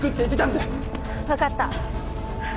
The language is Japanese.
わかった。